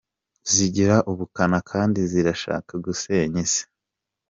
Zigira ubukana kandi zirashaka gusenya Isi.